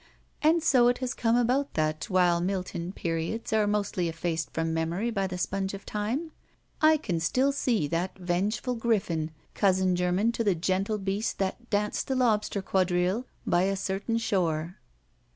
And so it has come about that, while Milton periods are mostly effaced from memory by the sponge of Time, I can still see that vengeful Gryphon, cousin german to the gentle beast that danced the Lobster Quadrille by a certain shore.